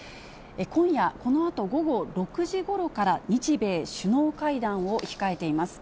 今夜、このあと午後６時ごろから、日米首脳会談を控えています。